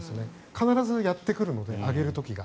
必ずやってくるので上げる時が。